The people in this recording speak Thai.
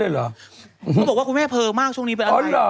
เขาบอกว่าคุณแม่เพอมากช่วงนี้เป็นอะไรอ๋อเหรอ